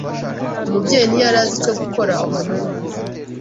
Umubyeyi ntiyari azi icyo gukora umuhungu we.